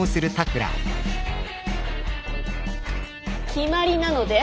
決まりなので。